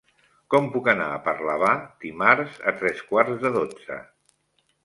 Com puc anar a Parlavà dimarts a tres quarts de dotze?